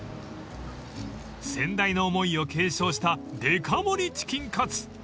［先代の思いを継承したでか盛りチキンカツ］